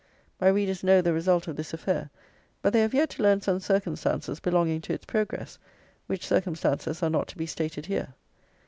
My readers know the result of this affair; but they have yet to learn some circumstances belonging to its progress, which circumstances are not to be stated here.